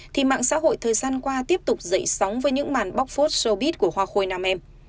thì mạng xã hội thời gian qua tiếp tục dậy sóng với những màn bóc phốt sobit của hoa khôi nam em